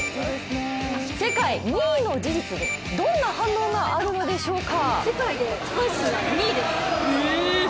世界２位の事実にどんな反応があるのでしょうか？